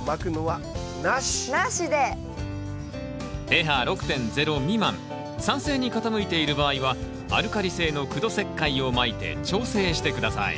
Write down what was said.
ｐＨ６．０未満酸性に傾いている場合はアルカリ性の苦土石灰をまいて調整して下さい。